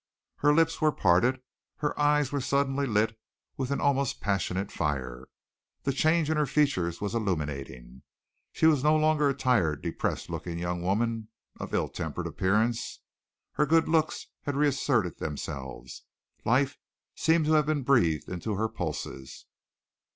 Her lips were parted, her eyes were suddenly lit with an almost passionate fire. The change in her features was illuminating. She was no longer a tired, depressed looking young woman of ill tempered appearance. Her good looks had reasserted themselves. Life seemed to have been breathed into her pulses.